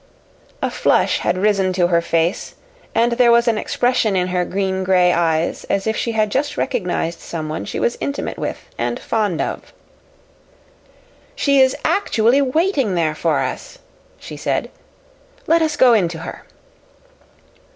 A flush had risen to her face and there was an expression in her green gray eyes as if she had just recognized someone she was intimate with and fond of. "She is actually waiting there for us!" she said. "Let us go in to her."